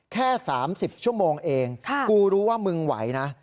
แค่๓๐ชั่วโมงเองกูรู้ว่ามึงไหวนะ